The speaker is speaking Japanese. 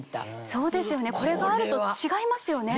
そうですよねこれがあると違いますよね。